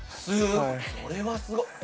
それはすごい。